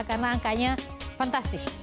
karena angkanya fantastis